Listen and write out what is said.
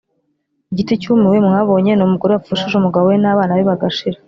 Igiti cyumiwe mwabonye ni umugore wapfushije umugabo we n'abana be bagashira,